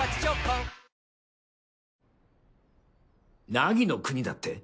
凪の国だって！？